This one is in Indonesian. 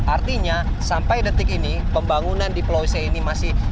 artinya sampai detik ini pembangunan di pulau c ini masih